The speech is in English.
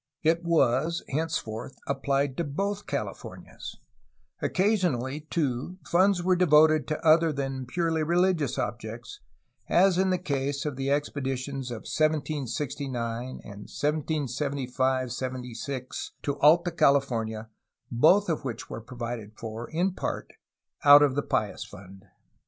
It was henceforth applied to both Californias. Occasionally, too, funds were devoted to other than purely religious ob jects, as in the case of the expeditions of 1769 and 1775 1776 to Alta California, both of which were provided for, in part, out of the Pious Fund.